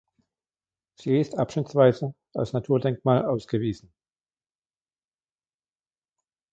Sie ist abschnittsweise als Naturdenkmal ausgewiesen.